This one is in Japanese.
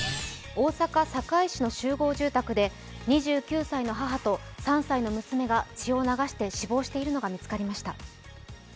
大阪堺市の集合住宅で２９歳の母と３歳の娘が血を流して死亡しているのが見つかりました。